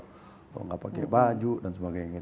kalau nggak pakai baju dan sebagainya